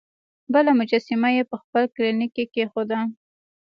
بله مجسمه یې په خپل کلینیک کې کیښوده.